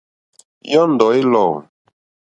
Yɔ́ndɔ̀ é lɔ̂.